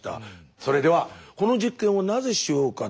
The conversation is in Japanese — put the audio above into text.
それではこの実験をなぜしようかと思ったか。